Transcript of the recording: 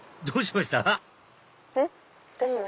どうしました？